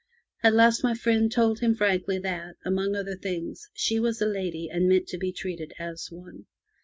At last my friend told him frankly that, among other things, she was a lady, and meant to be treated as one.